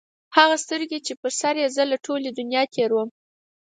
هغه سترګي چې په سر یې زه له ټولي دنیا تېر وم